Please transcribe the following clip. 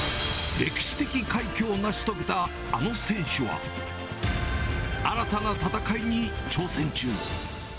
歴史的快挙を成し遂げたあの選手は、新たな戦いに挑戦中。